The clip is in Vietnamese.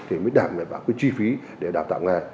thì mới đảm bảo cái chi phí để đào tạo nghề